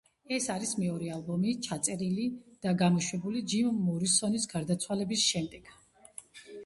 ეს არის მეორე ალბომი, ჩაწერილი და გამოშვებული ჯიმ მორისონის გარდაცვალების შემდეგ.